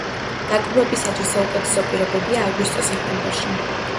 დაკვირვებისათვის საუკეთესო პირობებია აგვისტო-სექტემბერში.